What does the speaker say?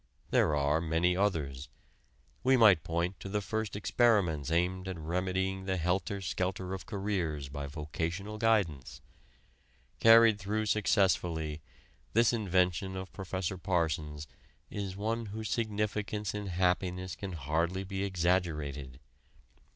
There are many others. We might point to the first experiments aimed at remedying the helter skelter of careers by vocational guidance. Carried through successfully, this invention of Prof. Parsons' is one whose significance in happiness can hardly be exaggerated.